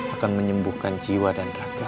akan menyembuhkan jiwa dan raga